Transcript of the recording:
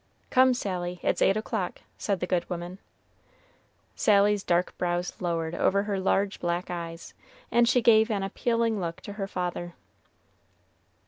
"Come, Sally, it's eight o'clock," said the good woman. Sally's dark brows lowered over her large, black eyes, and she gave an appealing look to her father.